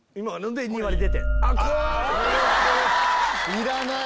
いらない？